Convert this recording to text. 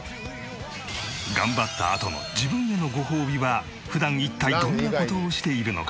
頑張ったあとの自分へのごほうびは普段一体どんな事をしているのか？